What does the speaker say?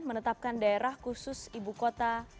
menetapkan daerah khusus ibu kota